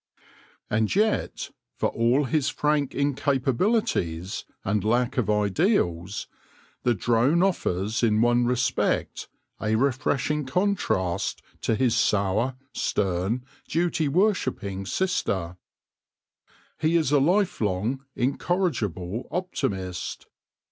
And yet, for all his frank incapabilities and lack of ideals, the drone offers, in one respect, a refreshing contrast to his sour, stern, duty worshipping sister. He is a life long, incorrigible optimist.